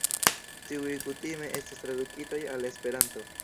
Tiuj kutime estas tradukitaj al Esperanto.